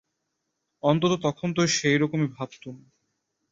অন্তত তখন তো সেইরকমই ভাবতুম।